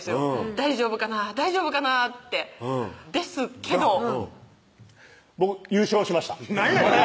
大丈夫かな大丈夫かなってですけどうん僕優勝しましたなんやねん！